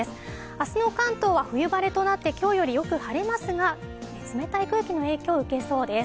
明日の関東は冬晴れとなって今日よりよく晴れますが冷たい空気の影響を受けそうです。